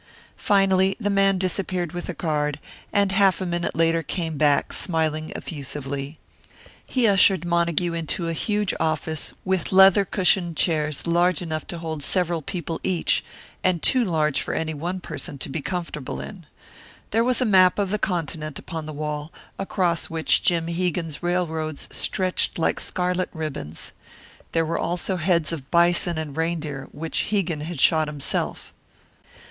Finally the man disappeared with the card, and half a minute later came back, smiling effusively. He ushered Montague into a huge office with leather cushioned chairs large enough to hold several people each, and too large for any one person to be comfortable in. There was a map of the continent upon the wall, across which Jim Hegan's railroads stretched like scarlet ribbons. There were also heads of bison and reindeer, which Hegan had shot himself.